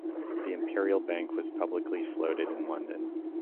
The Imperial Bank was publicly floated in London.